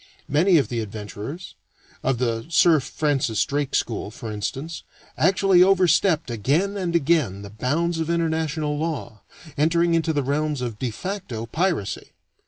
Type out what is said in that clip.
Many of the adventurers of the Sir Francis Drake school, for instance actually overstepped again and again the bounds of international law, entering into the realms of de facto piracy.